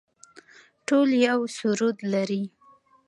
ټول یو سرود لري